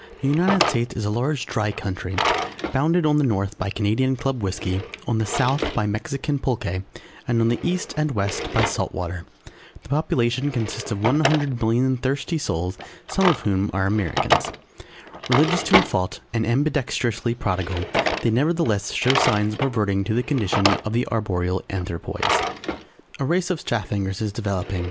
The United States is a large dry country bounded on the north by Canadian Club Whisky, on the south by Mexican Pulque, and on the East and West by Salt Water. The Population consists of one hundred million thirsty souls, some of whom are Americans. [Illustration: THE ORIGINAL STRAPHANGERS] Religious to a fault, and ambidexterously prodigal, they nevertheless show signs of reverting to the condition of the Arboreal Anthropoids. A race of Straphangers is developing.